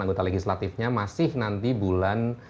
anggota legislatifnya masih nanti bulan